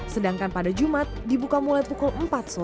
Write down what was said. sedangkan pada jumat dibuka mulai pukul empat sore